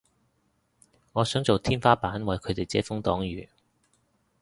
我想做天花板為佢哋遮風擋雨